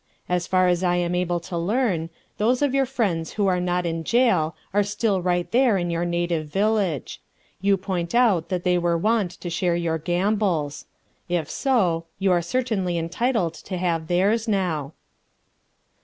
As far as I am able to learn, those of your friends who are not in jail are still right there in your native village. You point out that they were wont to share your gambols. If so, you are certainly entitled to have theirs now.